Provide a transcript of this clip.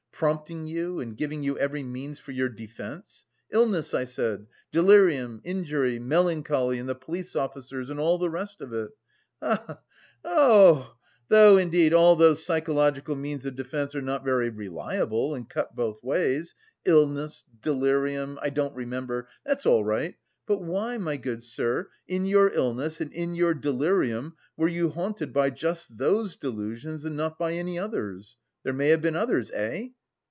Prompting you and giving you every means for your defence; illness, I said, delirium, injury, melancholy and the police officers and all the rest of it? Ah! He he he! Though, indeed, all those psychological means of defence are not very reliable and cut both ways: illness, delirium, I don't remember that's all right, but why, my good sir, in your illness and in your delirium were you haunted by just those delusions and not by any others? There may have been others, eh?